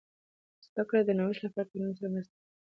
زده کړه د نوښت لپاره د ټولنې سره مرسته ده.